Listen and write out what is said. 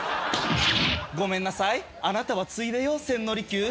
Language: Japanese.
ごめんなさいあなたはついでよ千利休。